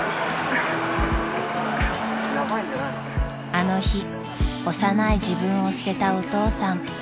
［あの日幼い自分を捨てたお父さん］